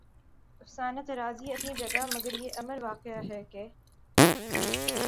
افسانہ طرازی اپنی جگہ مگر یہ امر واقعہ ہے کہ